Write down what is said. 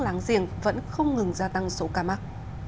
láng giềng vẫn không ngừng gia tăng số ca mắc